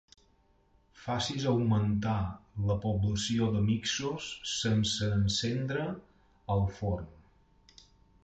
Facis augmentar la població de mixos sense encendre el forn.